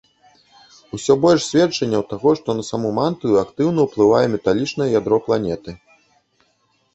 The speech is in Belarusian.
Усё больш сведчанняў таго, што на саму мантыю актыўна ўплывае металічнае ядро планеты.